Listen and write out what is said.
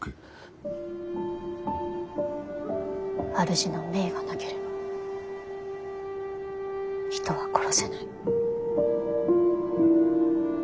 主の命がなければ人は殺せない。